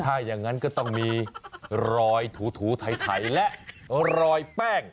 ถ้าอย่างนั้นก็ต้องมีรอยถูไถและรอยแป้ง